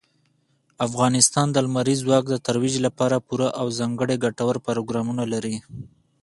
افغانستان د لمریز ځواک د ترویج لپاره پوره او ځانګړي ګټور پروګرامونه لري.